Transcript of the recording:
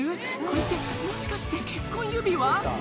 これってもしかして結婚指輪？